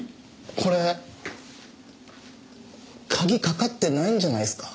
これ鍵かかってないんじゃないっすか？